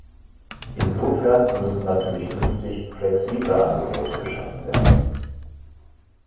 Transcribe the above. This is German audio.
Insofern müssen natürlich künftig flexible Angebote geschaffen werden.